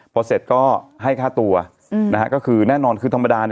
พอเสร็จก็ให้ค่าตัวก็คือแน่นอนคือธรรมดา